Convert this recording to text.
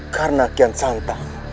karena kian santah